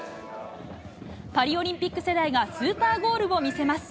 パリオリンピック世代がスーパーゴールを見せます。